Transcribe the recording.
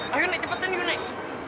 ayo nek cepetan yuk nek